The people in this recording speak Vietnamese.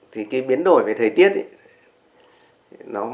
thì cái biến đổi về thời tiết nó gây ra hà nội lúc nào đứng đầu danh sách hay không